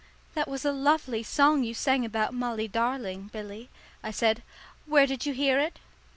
"That was a lovely song you sang about 'Molly darling,' Billy," I said. "Where did you hear it?"